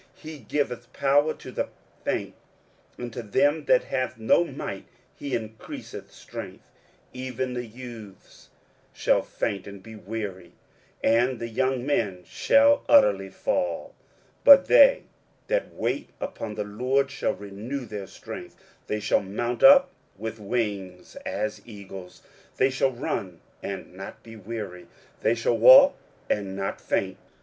23:040:029 He giveth power to the faint; and to them that have no might he increaseth strength. 23:040:030 Even the youths shall faint and be weary, and the young men shall utterly fall: 23:040:031 But they that wait upon the LORD shall renew their strength; they shall mount up with wings as eagles; they shall run, and not be weary; and they shall walk, and not faint.